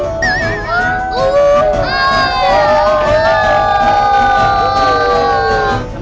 uh uh uh